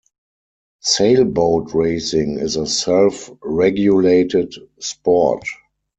Sailboat racing is a self-regulated sport.